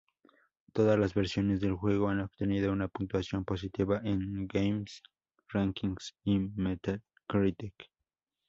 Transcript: Todas las versiones del juego han obtenido una puntuación positiva en GameRankings y Metacritic.